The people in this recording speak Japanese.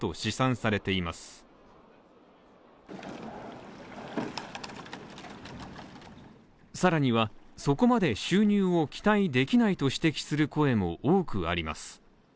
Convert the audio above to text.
さらにはそこまで収入を期待できないと指摘する声も多くあります